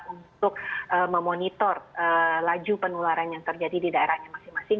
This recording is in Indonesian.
untuk memonitor laju penularan yang terjadi di daerahnya masing masing